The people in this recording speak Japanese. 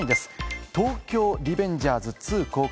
『東京リベンジャーズ２』公開。